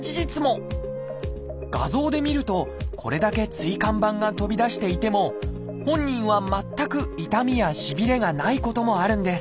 画像で見るとこれだけ椎間板が飛び出していても本人は全く痛みやしびれがないこともあるんです。